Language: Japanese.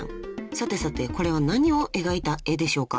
［さてさてこれは何を描いた絵でしょうか？］